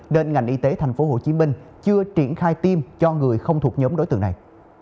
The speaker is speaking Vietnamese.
nên ngành y tế tp hcm chưa triển khai tiêm cho người không thuộc nhóm đối tượng này